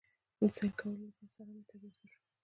د سېل کولو سره مې طبعيت ښه شو